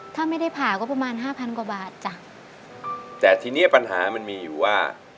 ถ้าไม่ได้ผ่าก็ประมาณห้าพันกว่าบาทจ้ะแต่ทีเนี้ยปัญหามันมีอยู่ว่า